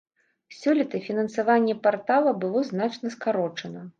Сёлета фінансаванне партала было значна скарочана.